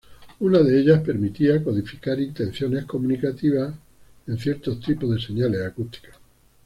Una de ellas permitía codificar intenciones comunicativas en cierto tipo de señales acústicas.